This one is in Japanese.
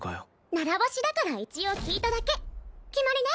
習わしだから一応聞いただけ決まりね！